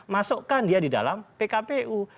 masukkan dia di dalam pkpu